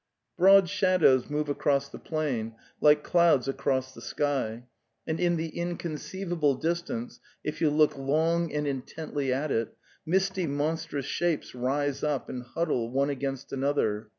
Broad shadows move across the plain like clouds across the sky, and in the inconceivable dis tance, if you look long and intently at it, misty monstrous shapes rise up and huddle one against another.